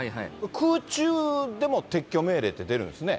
空中でも撤去命令って出るんですね。